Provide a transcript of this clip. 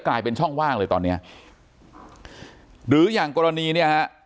กลายเป็นช่องว่างเลยตอนเนี้ยหรืออย่างกรณีเนี่ยฮะ